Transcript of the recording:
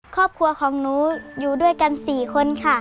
ครอบครัวของหนูอยู่ด้วยกัน๔คนค่ะ